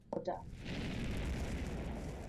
Cymerodd y tusw gwych o flodau.